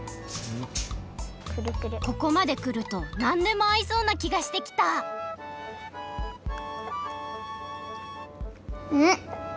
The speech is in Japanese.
ここまでくるとなんでもあいそうなきがしてきたうん？